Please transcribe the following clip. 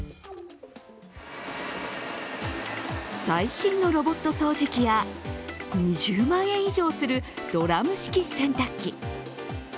最新のロボット掃除機や２０万円以上するドラム式洗濯機。